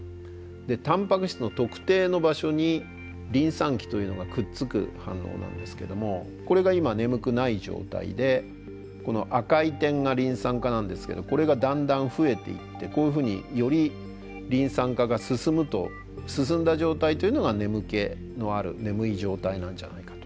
タンパク質の特定の場所にリン酸基というのがくっつく反応なんですけどもこれが今眠くない状態でこの赤い点がリン酸化なんですけどこれがだんだん増えていってこういうふうによりリン酸化が進むと進んだ状態というのが眠気のある眠い状態なんじゃないかと。